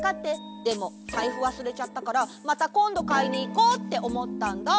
でもさいふわすれちゃったからまたこんどかいにいこうっておもったんだ。